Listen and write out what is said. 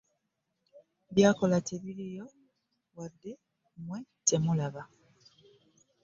By'akola tebiriiyo wadde mmwe temulaba.